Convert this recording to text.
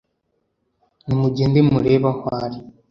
Ni mugende murebe aho ari